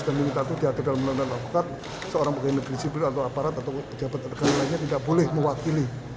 dan ini tadi diatur dalam melawan melakukan seorang pegawai negeri sipil atau aparat atau pejabat negara lainnya tidak boleh mewakili